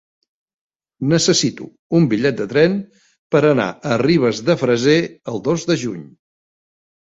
Necessito un bitllet de tren per anar a Ribes de Freser el dos de juny.